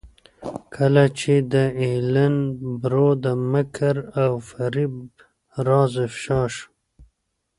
کله چې د ایلن برو د مکر او فریب راز افشا شو.